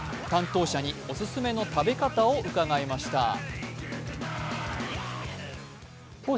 担当者にオススメの食べ方を伺いました。